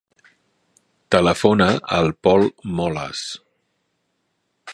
Telefona al Pol Moles.